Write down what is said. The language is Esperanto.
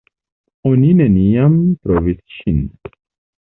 Oni neniam trovis ŝin.